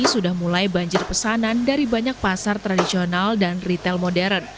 sudah mulai banjir pesanan dari banyak pasar tradisional dan retail modern